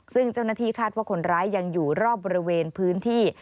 ซึ่งเจ้าหน้าที่คาดว่าคนร้ายยังอยู่รอบบริเวณพื้นที่